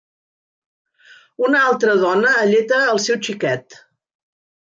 Una altra dona alleta el seu xiquet.